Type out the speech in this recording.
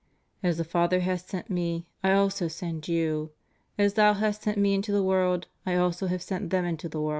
As the Father hath sent Me, I also send you? As thou hast sent Me into the world I also have sent them into the world.